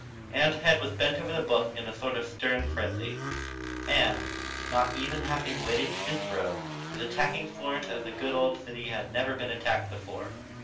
Ann's head was bent over the book in a sort of stern frenzy. Ann, not even having waited to disrobe, was attacking Florence as the good old city had never been attacked before.